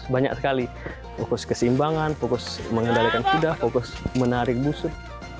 banyak sekali fokus keseimbangan fokus mengendalikan kuda fokus menarik busuk